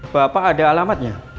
bapak ada alamatnya